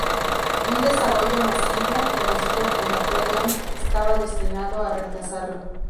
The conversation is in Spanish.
Un desarrollo masivo, conocido como "Copland", estaba destinado a reemplazarlo.